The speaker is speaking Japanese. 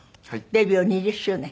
デビュー２０周年。